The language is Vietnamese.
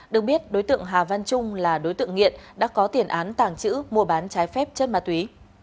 được biết đối tượng hà văn trung là đối tượng nghiện đã có tiền án tàng trữ mua bán trái phép chất ma túy